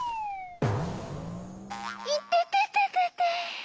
いててててて。